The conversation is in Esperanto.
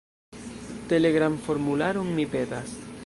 Telegram-formularon, mi petas.